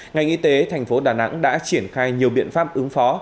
ngành y tế thành phố đà nẵng đã triển khai nhiều biện pháp ứng phó